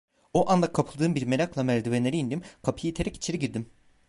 O anda kapıldığım bir merakla merdivenleri indim, kapıyı iterek içeri girdim.